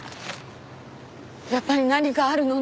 やっぱり何かあるのね？